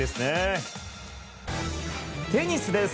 テニスです。